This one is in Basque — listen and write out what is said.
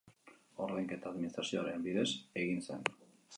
Ordainketa administrazioaren bidez egin zen.